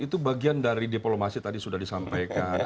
itu bagian dari diplomasi tadi sudah disampaikan